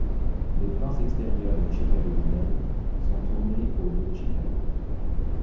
Les plans extérieurs du Chicago Med sont tournés au de Chicago.